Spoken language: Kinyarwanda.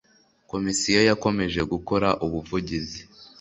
Komisiyo yakomeje gukora ubuvugizi